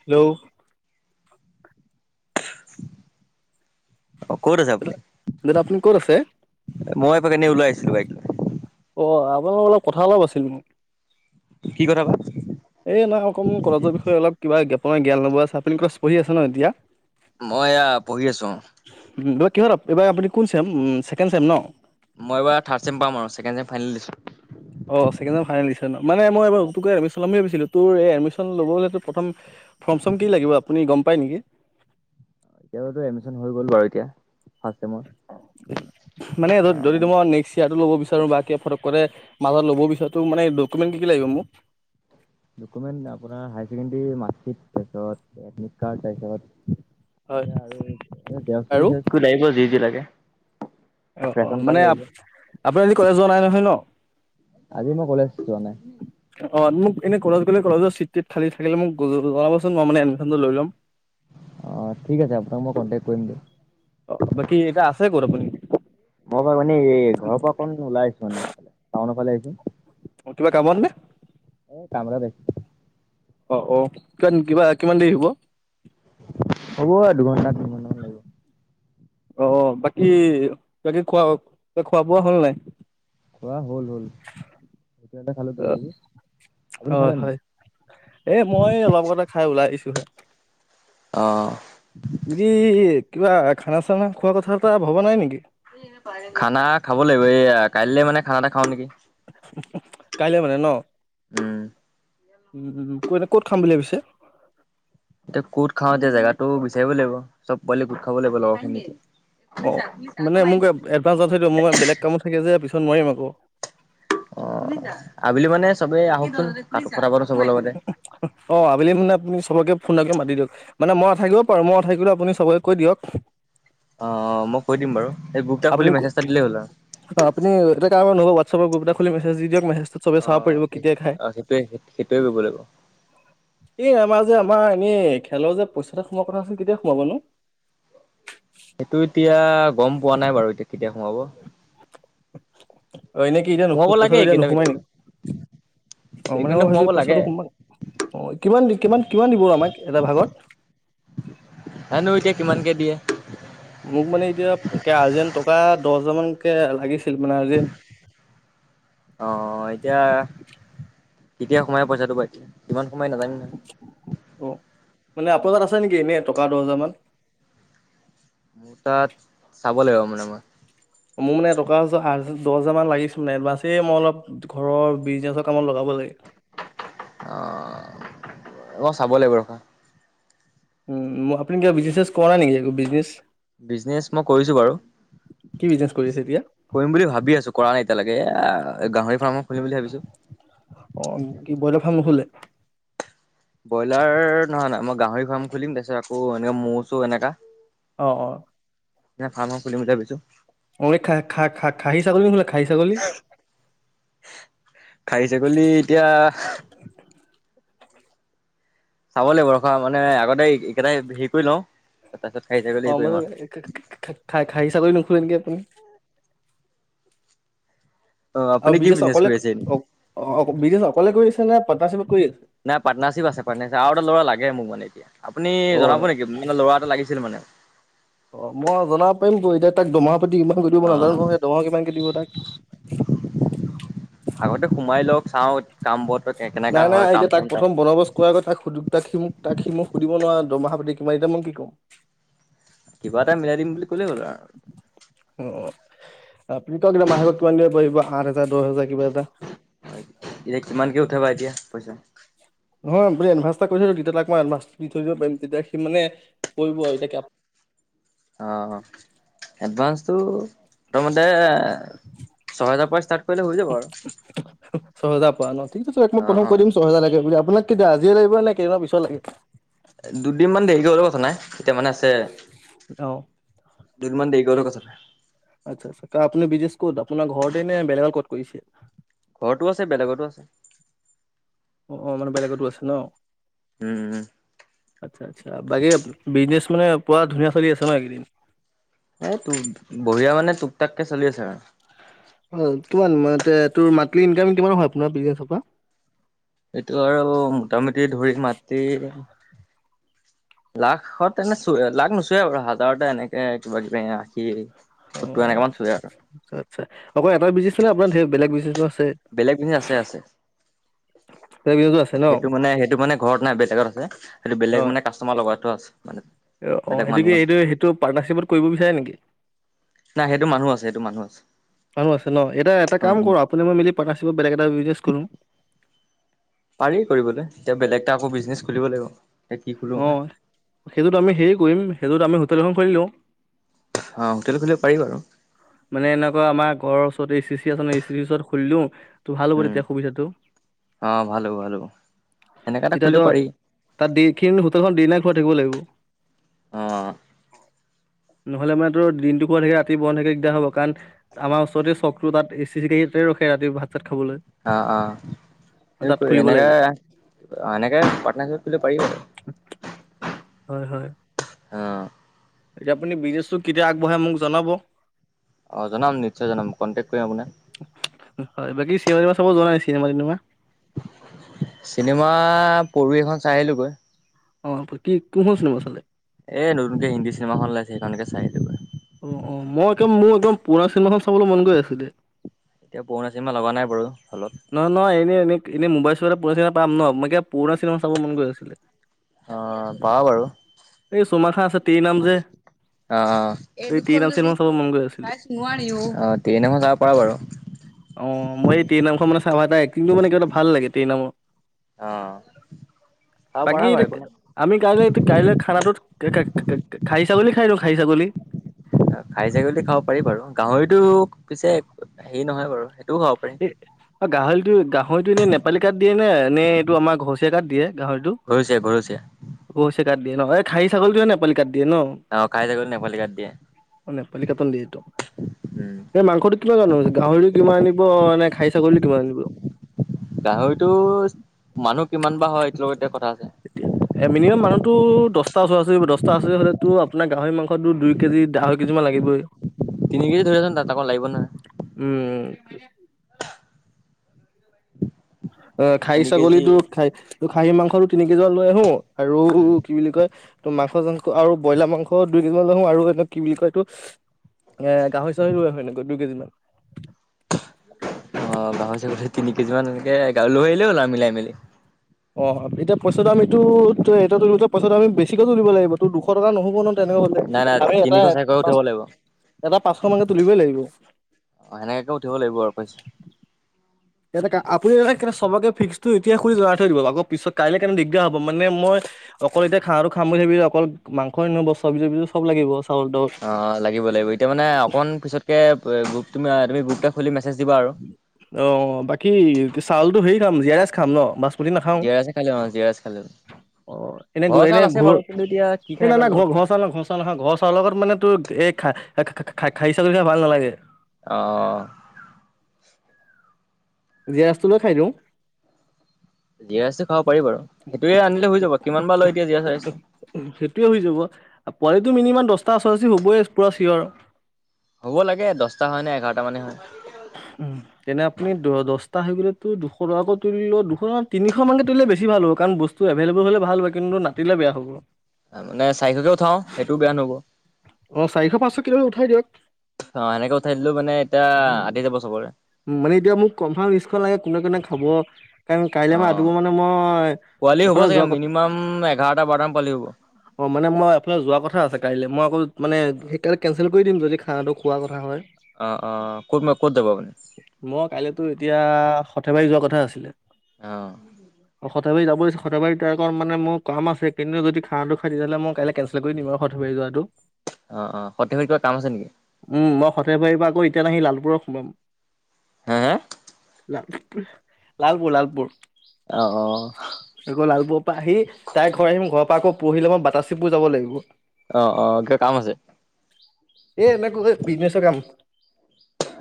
Hello! অ', ক'ত আছে দাদা আপুনি? দাদা আপুনি ক'ত আছে? মই এপাক এনে ওলাই আহিছিলোঁ বাইক অ', [unintelligible] অলপ কথা অলপ আছিল মোৰ। কি কথা বা? এই নাই অকণ কলেজৰ বিষয়ে অলপ কিবা জ্ঞাপন জ্ঞান ল'ব আছে, আপুনি কলেজ পঢ়ি আছে ন' এতিয়া? মই এয়া পঢ়ি আছোঁ অ'। এইবাৰ কিহত এইবাৰ আপুনি কোন ছেম, ছেকেণ্ড চেম ন? মই এইবাৰ থাৰ্ড চেম পাম আৰু ছেকেণ্ড চেম ফাইনেল দিছো। অ ছেকেণ্ডয়েৰৰ ফাইনেল দিছে ন, মানে মই এইবাৰ নতুনকে এডমিচন ল'মেই ভাবিছিলো তোৰ এইডমিচন ল'বলে তোৰ প্ৰথম [inaudible] ফৰ্ম চম কি লাগিব আপুনি গম পায় নিকি? এতিয়াটো এডমিছন হৈ গ'ল বাৰু এতিয়া। ফাৰ্ষ্ট চেমৰ মানে যদি যদি তোমাৰ নেক্সট ইয়াতো ল'ব বিচাৰো বা কিয়া ফৰক পৰে মাজত লব বিচাৰোটো মানে ডকুমেণ্ট কি কি লাগিব মোক? ডকুমেণ্ট আপোনাৰ হাইচেকেণ্ডেৰীৰ মাৰ্কশ্বিট তাৰপাছত এডমিতকাৰ্ড তাৰপিছত হয় এনেকে আৰু আৰু জেৰচকপি চেৰচকপি লাগিব যি যি লাগে। অ অ ৰেচন কাৰ্ড মানে আ লাগিব আপোনি আজি কলেজ যোৱা নাই নহয় ন? আজি মই কলেজ যোৱা নায়। অ মোক এনে কলেজ গ'লে কলেজৰ চিট টিত খালী থাকিলে মোক জনাবচোন মই মানে এডমিচনটো লৈ ল'ম। অ ঠিক আছে আপোনাক মই কন্টেক কৰিম দিয়ক। অ বাকী এতিয়া আছে ক'ত আপুনি? মই মানে এই ঘৰ পৰা অকণ মানে ওলাই আহিছো মানে টাউনৰ ফালে আহিছো। অ কিবা কামত নে? এ কাম এটাত আহিছিলো। অ অ কিমান কিবা কিমান দেৰি হ'ব? হ'ব দুঘন্টা, তিনি ঘন্টামান লাগিব। অ বাকী বাকী খোৱা-বোৱা হল নাই? খোৱা হল হল। হোটেলতে খালো অ কিবা কিবি আপুনি হয় খালে নে হয় নাই? এই মই অলপ খাই ওলাই আহিছোহে। অ। বাকী কিবা খানা চানা খোৱা কথা এটা ভবা নাই নিকি? খানা খাব লাগিব এইয়া কাইলে মানে খানা এটা খাও নিকি? কাইলৈ মানে ন? কত ক'ত খাম বুলি ভাবিছে? এতিয়া ক'ত খাওঁ এতিয়া জেগাটো বিচাৰিব লাগিব চব। পোৱালি গোট খাব লাগিব লগৰখিনি। অ মানে মোক এডভাঞ্চত থৈ দিয় মই বেলেগ কামত থাকে যে পিছত মোৱাৰিম আক। অ আবেলি মানে চবেই আহকচোন। কথা পাতো চবৰ লগতে। অ আবেলি মানে আপুনি চবকে ফোন এটা মাতি দিয়ক। মানে মই নাথাকিব পাৰোঁ মই নাথাকিলেও আপুনি চবকে কৈ দিয়ক। অঁ মই কৈ দিম বাৰু এই গ্ৰুপ এটা আপুনি খুলি মেছেজ এটা দিলেই হ'ল আৰু অ আপুনি এটা কাম কৰিব নহবা মাট চবকে গ্ৰুপ এটা খুলি মেছেজ দি দিয়ক, মেছেজটত চবে চাব অঁ পৰিব কেতিয়া খায়। অঁ সেইটোৱে সেইটোৱে কৰিব লাগিব। এই আমাৰ যে আমাৰ এনেই খেলৰ যে পইচা এটা সোমোৱাৰ কথা আছিল কেতিয়া খোমাব নো? সেইটো এতিয়া গম পোৱা নাই বাৰু এতিয়া কেতিয়া সোমাব। অ ইনে কি এতিয়া নোসো সোমাব লাগে পইচাটো এতিয়া এইকেইদিনৰ নোসোমাই নি? ভিতৰতে অ মানে মই এইকেইদিনতে সোমাব ভাবিছিলো লাগে পইচাটো সোমাই অ কিমান কিমান কিমান দিব আমাক এটা ভাগত? হনো এতিয়া কিমান কি [inaudible] মোক মানে এতিয়া একে আৰ্জেণ্ট টকা দহ হাজাৰ মানকে লাগিছিল মানে আৰ্জেণ্ট। অ এতিয়া কেতিয়া সোমাই পইচাটো বা কিমান সোমাই নাজানো নহয়। অ মানে আপোনাৰ তাত আছে নেকি এনেই টকা দহ হাজাৰ মান? তাত চাব লাগিব মানে মই। মোৰ মানে টকা দহ হাজাৰ মান লাগিছিলে মানে এ মই অলপ ঘৰৰ বিজনেছৰ কামত লগাম বলে অ মই চাব লাগিব ৰবা। উম, আপুনি কিবা বিজনেছ কৰা নাই নিকি বিজনেচ? বিজনেচ মই কৰিছো বাৰু। কি বিজনেছ কৰি আছে এতিয়া কৰিম বুলি ভাবি আছো কৰা নাই এতিয়ালৈকে এ গাহৰি ফাৰ্মৰ খুলিম বুলি ভাবিছোঁ। অ কি বলাৰ ফ্ৰাম নুখুলে ব্ৰইলাৰ নহয় নহয় মই গাহৰি ফাৰ্ম খুলিম তাৰপিছত আকৌ এনেক মৌ চৌ এনেকা অ', অ'। নে, ফাৰ্ম খুলিম ভাবিছোঁ। অ খা খা খা খাহি ছাগলী নচলে খাহি ছাগলী খাইি ছাগলী এতিয়া চাব লাগিব ৰখা মানে আগতে এইকেইটাই হেৰি কৰি লওঁ তাৰপিছত খাহী ছাগলী অ হেৰি কৰিম মইতো আৰু খাহী চাগলী নুখোলে নেকি আপুনি অ আপুনি আৰু কি ব্ৰিজেশ বিজনেছ অকলে কৰি আছে এনে ব্ৰিজেশ অকলে কৰি আছে নে পাটনাৰশ্বিপত নাই পাৰ্টনাৰশ্বিপ আছে‌ পাৰ্টনাৰশ্বিপ আৰু এটা লৰা লাগে মোক মানে। এতিয়া আপুনি অ জনাব নেকি মানে ল'ৰা এটা লাগিছিল মানে অ', মই জনাব পাৰিম ব এতিয়া তাক দোমাহ কিমান কৰি দিব নাজানো অ' নহয়, সেই দৰমহা কিমানকে দিব তাক? আগতে সোমাই লওক চাওঁ কাম বত নাই নাই এতিয়া তাক প্ৰথম বনবস কৰ কৰা আগত তাক সুধ তাক সিমোক তাক সি মোক সুধিবো [unintelligible] দৰমহা মই কি কওঁ। কিবা এটা মিলাই দিম বুলি কলেই হ'ল আৰু অ', আপুনি কক এ মাহেকক কিমান দিব পিব আঠ হাজাৰ দহ হাজাৰ কিবা এটা। হয় এতিয়া কিমানকে উঠাবা এতিয়া পইচা। নহয় বো এডভান্স এটা কৰি থৈো তেতিয় তাক মই এডভান্সটো দি থৈ দিব পাৰিম তেতিয়া সি মানে কৰিব আৰু এতিয়া অ এডভান্সটো প্ৰথমতে ছয় হেজাৰ পৰা ষ্টাৰ্ট কৰিলে হৈ যাব আৰু। ছয় হাজাৰ পোৱা ন', ঠিক আছে মই অ প্ৰথম অ ক দিম ছয় হাজাৰ লাগে বুলি। আপোনাক কেতিয়া আজিয়ে লাগিব নে কেইদিনমান পিছত লাগে? দুদিন মান দেৰিকে হ'ল কথা নাই এতিয়া মানে আছে অ'। দুদিনমান দেৰি কৰিলেও কথা নাই। আচ্ছা আচ্ছা আপুনি বিজনেছ ক'ত আপোনাৰ ঘৰতে নে বেলেগ ক'ত কৰিছে? ঘৰতো আছে বেলেগতো আছে অ', অ', মানে বেলেগতো আছে ন উম উম আচ্ছা আচ্ছা বাকী বিজনেচ মানে পুৰা ধুনীয়া চলি আছে ন', এইকেইদিন। এই ত বঢ়িয়া মানে টক টাককে চলি আছে আৰু অ', কিমান তোৰ মাটনি ইনকম কিমান হয় আপোনাৰ পৰা সেইটো আৰু মোটামুটি ধৰি মাটি লাখত এনে চ লাখ নোচোৱে বাৰু হাজাৰতে এনেকে কিবা কিবি আশী সত্তৰ অ', এনেকা মান চুৱে আৰু আচ্ছা আচ্ছা অক এটা বিজনেচ আছে নে আপোনাৰ ধেৰ বেলেগ বিজনেচো আছে। বেলেগ বিজনেচ আছে আছে। বেলেগ বিজনেছো আছে ন? সেইটো মানে, সেইটো মানে ঘৰত নাই বেলেগত আছে সেইটো বেলেগ অ। মানে কাষ্টমাৰ লগাইটো আছে মানে অ বেলেগ সেইটো মানুহ কি আছে এইটো সেইটো পাৰ্টনাৰশ্বিপত কৰিব বিচাৰে নেকি নাই সেইটো মানুহ আছে সেই মানুহ আছে মানুহ আছে ন', এটা উম কাম উম কৰো আপুনি মই মিলি পাৰ্টনাৰশ্বিপত বেলেগ এটা বিচনেজ কৰো। পাৰি কৰিবলৈ এতিয়া বেলেগ এটা আকৌ বিজনেচ খুলিব লাগিব এতিয়া কি খোলো মই অ', সেইটোতো আমি হেৰি কৰিম সেইটোতো আমি হোটেল এখন খুলি লওঁ। অ', হোটেল খুলিব পাৰিব আৰু। মানে এনেকুৱা আমাৰ ঘৰৰ ওচৰত এ চি চি আছে এ চি চিৰ ওচৰত খুলিও তোৰ ভাল হ'ব উম তেতিয়া সুবিধাটো অ ভাল হ'ব ভাল হ'ব সেনেকা এটা খুলিব এতিয়াত পাৰি তাত দি খিনি হোতেলখন দি নাই খুৱাই থাকিব লাগিব অ'। নহ'লে মানে তোৰ দিনটো খোলা থাকে ৰাতি বন্ধ থাকে হ'ব কাৰণ আমাৰ ওচৰতে চকটো তাত এ চি চিতে ৰখে ৰাতি ভাত চাত খাবলৈ অহ, অহ। হেৰি তাত কৰি, খুলিব এনেকে লাগিব এনেকে পাৰ্থনা কৰি খুলিব পাৰিব বাৰু। হয়, হয়। অ। এতিয়া আপুনি বিজনেছটো কেতিয়া আগবঢ়ায় মোক জনাব। অ, জনাম নিশ্চয় জনাম কনটেক কৰিম আপোনাক। হয়, বাকী চিনেমা চাব যোৱা নাই চিনেমা -টিনেমা। চিনেমা পৰহি এখন চাই আহিলোগৈ। অ, পু এ, নতুনকে হিন্দী চিনেমাখন ওলাইছে, সেইখনেকে চাই আহিলোগৈ। অ, অ, মই একদম মোৰ একদম পুৰণা চিনেমাখন চাবলৈ মন গৈ আছিলে। এতিয়া পুৰণা চিনেমা লগা নাই বাৰু। হলত। নহয়, নয় এনে এনে এনেই মোবাইল-চোবাইল পুৰণা চিনেমা পাম ন' মই কিবা পুৰণা চিনেমা চাব মন গৈ আছিলে। অ' পাবা বাৰু অ' এই চুমাখা আছে তিৰে নাম যে অ, অ, এই তেৰি দুখন নাম যদি চিনেমা চাব মন হয় গৈ আছিলে [unintelligible] নোৱাৰিও অ, তেৰে নামখন চাব পাৰা বাৰু। অ, মই এই টেৰে নামখন মানে চাও আৰু তাৰ একটিংটো মানে কিবা এটা ভাল লাগে টেৰে নামৰ। অ। চাব বাকী পাৰা এ বাৰু একো নাই। আমি কাইলৈ, কাইলৈ খানাটো খা-খা-খা খাইছ ছাগলী খাই দিও খাহী ছাগলী। খাঁহী ছাগলীটো খাব পাৰি বাৰু গাহৰিতো পিছে হেৰি নহয় বাৰু সেইটোও খাব পাৰি। এ গাহৰিটো, গাহৰিটো এনে নেপালী কাট দিয়ে নে, নে এইটো আমাৰ ঘৰচীয়া কাট দিয়ে? গাহৰিটো ঘৰচীয়া ঘৰচীয়া। ঘৰচীয়া কাট দিয়ে ন এই খাহী ছাগলটোহে নেপালি কাট দিয়ে ন'? অ' খাহী ছাগলী নেপালী কাট দিয়ে নেপালী কাটন দি এইটো, উম। এই মাংসটো কিমান আনো, গাহৰিও কিমান আনি ব নে খাহি ছাগলী কিমান আনিব? গাহৰিটো মানুহ কিমান বা হয় এইটোৰ লগত এতিয়া কথা আছে। টা ওৰা ওচৰি দচটা ওচৰা ওচৰি হ'লেতো আপোন গাহৰি মাংসটো দুই কেজি আঢ়ৈ কেজিমান লাগিবই। তিনি কেজি ধৰি থ চোন, আকৌ লাগিব নহয়। উম [inaudible] অ', খাহী তিনি ছাগলী কেজি টো খাহী, খাহী মাংসটো তিনি কেজিমান লৈ আহো। আৰু উম কি বুলি কয়? তো মাংস-চাংস আৰু ব্ৰইলাৰ মাংস দুই কেজিমান লৈ আহো আৰু এটো কি বুলি কয় এইটো? এ গাহৰি-চাহৰি লৈ আহো এনেকৈ দুই কেজিমান। অ, গাহৰি [unintelligible] তিনি কেজি মান এনেকে গাঁ লৈ আহিলে হ'ল আৰু মিলাই মেলি। অ, এতিয়া পইচাটো আমিটো তোলো তোলোতে পইচাটো আমি বেছিকে তুলিব লাগিব তো দুশ দুশ টকা নহ'ব নহয় তেনেকুৱা হ'লে নাই নাই আমি এটা তিনিশ চাৰিশ পাঁচ উঠাব লাগিব অ এটা পাঁচশ মানকে তুলিবই লাগিব। অ' সেনেকাকে উঠিব লাগিব আৰু প আপুনি সবকে ফিক্সটো এতিয়াই সুধি জনাই থৈ দিব আকৌ পিছত কাইলে কাৰনে দিগদাৰ হ'ব মানে মই অকল এতিয়া খানাটো খাম বুলি [unintelligible] অকল মাংস নহব চব্জি-চবজিটো চব লাগিব। চাউল তাউল অ', লাগিব লাগিব এতিয়া মানে অকন পিছতকে গ্ৰুপ তুমি তুমি গ্ৰুপ এটা খুলি মেচে অ, বাকী চাউলটো হেৰি খাম জীৰা ৰাইচ খাম ন' মাছ [unintelligible] অ, এনে ঘৰৰ গৈ, চাউল আছে বাৰু ঘৰ কিন্তু এতিয়া কি খাই বা ল'ৰাখিনি চাউল, ঘৰ চাউৰ লগত মানে তোৰ এ খা খা-খা-খা খাই চ যদি ভাল নালাগে। অহ। জিৰাইচটো লৈ খাই দিও। জিৰা ৰাইচটো খাব পাৰি বাৰু সেইটোৱে আনিলে হৈ যাব কিমান বা লয় এতিয়া জিৰা ৰাইচ? টোৱে হৈ যাব, আ পোৱালিটো মিনিমাম দচটা ওচৰা-ওচৰি হবই পুৰা চিয়ৰ। হ'ব লাগে দহটা হয় নে এঘাৰটা মানে হয়। উম, তেনে আপুনি দ দছটা হৈ গলে তো দুশ টকাকৈ তুলিলে দুশ, তিনিশ মানকে তুলিলে বেছি ভাল হ'ব। কাৰণ বস্তু এভেইলেবল হ'লে ভাল হয় কিন্তু নাতিলে বেয়া হ'ব। মানে চাইশকে উঠাও সেইটোও বেয়া নহ'ব। অ চাৰিশ পাঁচশ কিলো উঠাই দিয়ক অ সেনেকে উঠাই দিলো মানে এতিয়া [inaudible] উম মানে এতিয়া মোক কনফাৰ্ম লিষ্টখন লাগে কোনে কোনে খাব। কাৰণ কাইলৈ অ ৰাতিপুৱা মানে মই পোৱালি হ'ব এফালে চাগে যোৱা কথা মিনিমাম এঘাৰটা বাৰটামান পোৱালি হ'ব অ, মানে মই এফালে যোৱা কথা আছে কাইলৈ মই অকৌ মানে সেই কাৰনে কেনচেল কৰি দিম যদি খানাটো খোৱা কথা হয়। অ', অ', [unintelligible] মই কাইলেতো এতিয়া সৰ্থেবাৰী যোৱা কথা আছিলে আহ, অ সৰ্থেবাৰী যাব দিছে সৰ্থেবাৰী ট্ৰাই কৰ মানে মোৰ কাম আছে কিন্তু যদি খানাতো খাই তেতিয়াহ'লে মই কাইলে কেনচেল কৰি দিম আৰু সৰ্থেবাৰী যোৱাটো। অ', অ', সৰ্থেবাৰী কিবা কাম আছে নেকি? সৰ্থেবাৰী পৰা আকৌ ৰিটাৰ্ণ আহি লালপুৰত সোমাম। [unintelligible] লাল-লালপুৰ-লালপুৰ। অ অ আকৌ লালপুৰ পৰা আহি তাই ঘৰ আহিম ঘৰৰ পৰা আকৌ পঢ়িলে মই বাতাচীপুৰ যাব লাগিব। অ', অ', কিবা কাম আছে? এ, এনেকুকে বিজনেছ কাম।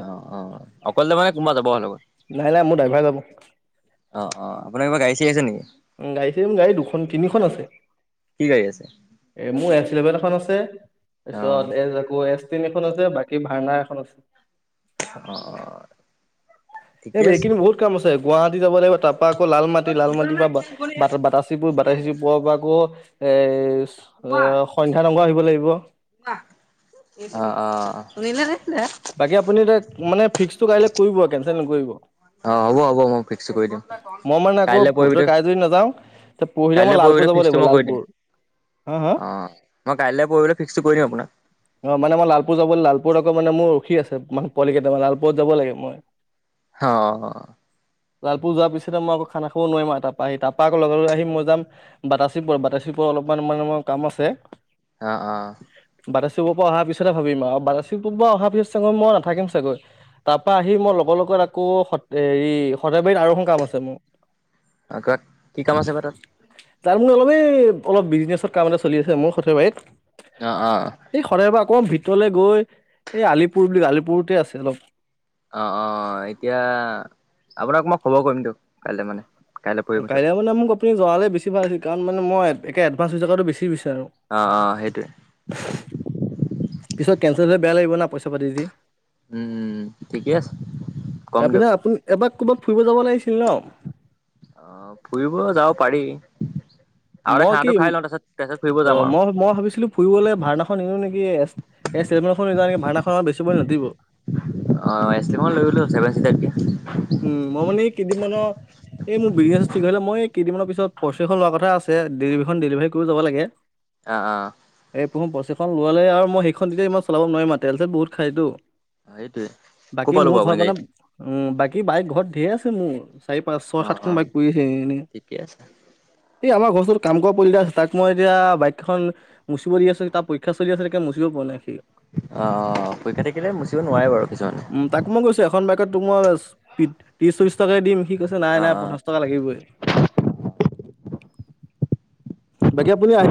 অ', অ', অ', অকলে যাবানে কোনবা যাব আৰু লগত? নাই নাই মোৰ ড্ৰাইভাৰ যাব অ', অ', আপোনাৰ কিবা গাড়ী চাৰি আছে নেকি? উম, গাড়ী চাৰি গাড়ী দুখন, তিনিখন আছে কি গাড়ী আছে এ মোৰ এছ ইলেভেন এখন আছে অ তাৰপিছত এ আকৌ এছ টেন এখন আছে বাকী ভাৰ্না এখন আছে। অ', অ', ঠিকেই এই আছে। এইখিনি বহুত কাম আছে গুৱাহাটী যাব লাগিব তাৰ পৰা আকৌ লাল মাটি লাল মাটিৰ পৰা বা-বাট-বাটাচীপুৰ বাটাচীপুৰৰ পৰা আকৌ এ [unintelligible] সন্ধ্যা নামঘৰ আহিব লাগিব অ', অ', বাকী আপুনি এতিয়া মানে [unintelligible] ফিক্সটো কাইলে কৰিব কেনচেল নকৰিব। অ, হ'ব-হ'ব মই ফিক্সটো কৰি দিম কাইলে পৰহি এ ভিতৰত যদি নাযাও তে পৰহিলে মই কাইলৈ পৰহি লালপুৰ ভিতৰত যাব ফিক্সটো লাগিব মই কৰি দিম লালপুৰ। হা হা অ', মই কাইলে পৰহি লে ফিক্সটো কৰি দিম। আপোনাক। অ', মানে মই লালপুৰ যাব লালপুৰত আকৌ মানে মোৰ ৰখি আছে মান পোৱলি কেইটা মানে লালপুৰত যাব লাগে মই। অ', লালপুৰ যোৱাৰ পিছতে মই আকৌ খানা খাব নোৱাৰিম আৰু তাৰপা আহি তাৰপৰা আকৌ লগা লগ আহি মই যাম, বাটাচীপুৰ, বাটাচীপুৰ [unintelligible] অলপমান মানে মোৰ কাম আছে। অ', অ, সিবোৰৰ পৰা আহাৰ পিছত হে ভাবিম আৰু বাতাচীপুৰ পা আহাৰ পিছত চাগৈ মই নাথাকিম চাগৈ। তাৰপৰা আহি মই লগৰ লগত আকৌ সত হেৰি সৰ্থেবাৰীত আৰু এখন কাম আছে মোৰ। [unintelligible] কি কাম আছে বা তাত? তাৰ মোৰ অলপে এই অলপ বিজনেছৰ কাম এটা চলি আছে মোৰ সথেবাৰীত। অ', অ', বাৰে বাৰ আকৌ ভিতৰলে গৈ, এই আলিপুৰ বুলি আলিপুৰতে আছে অলপ। অ', অ, এতিয়া, আপোনাক মই খবৰ কৰিমতো কাইলে মানে। পৰহি ভিতৰত। কাইলৈ মানে মোক আপুনি জনালে বেছি ভাল আছিল কাৰণ মান মই, এডভাছ হৈ থকাটো বেছি বিচাৰোঁ অ', অ, সেইটোৱে। পিছত কেনচেল হলে বেয়া লাগিব না পইচা পাতি দি। উম, উম, ঠিকে আছে, কম এপিনে দিয়ক। আপুনি এবাৰ ক'ৰবাত ফুৰিব যাব লাগিছিল ন'? অ', ফুৰিব যাব পাৰি। আগতে খানাটো খাই লওঁ তাৰপিছত ফুৰিব যাম অক, আৰু মই-মই ভাবিছিলোঁ ফুৰিবলৈ ভাৰানাখন নিনিও নেকি এ। এই ষ্টেখনে ভাৰনাখনত বেছিবলৈ নাতিব। আহ এি [unintelligible] লৈ গলো হল চেভেন চিতাৰ এতিয়া উম মই মানে এই কেইদিনমানৰ এই মোৰ বিজনেছ ঠিক হ'লে মই এই কেইদিনমানৰ পিছত ফৰচুনাৰখন লোৱাৰ কথা আছ ডেলিভীখন ডেলিভাৰী কৰি যাব লাগে। অ', অ, [unintelligible] পচিখন ল'লে আৰু মই সেইখন ইমান চলাব নোৱাৰিম আৰু তেল চেল বহুত খাইতো। সেইটোৱে ক'ৰ বাকী পৰা ল'ব মোৰ আপুনি ঘৰত মনত, গাড়ীখন? উম, বাকী বাইক ঘৰত ধেৰ আছে মোৰ। চাৰি পাঁচ ছয় অ', সাতখন অ', বাইক পৰি আছে এনে এনেই ঠিকে আছে এই আমাৰ ঘৰ ওচৰত কাম কৰা পোৱালি এটা আছে তাক মই এতিয়া বাইকখন মুচিব দি আছোঁ তাৰ পৰীক্ষা চলি আছে তেতিয়া মুচিব পৰা নাই সি অ', পৰীক্ষা থাকিলে মুচিব নোৱাৰে বাৰু কিছুমানে উম তাক মই কৈছোঁ এখন বাইকত তোক মই ত্ৰিশ চল্লিশ টকাই দিম সি কৈছে নাই নাই অ', অ'। পঞ্চাশ টকা লাগিবই বাকী আপুনি আহি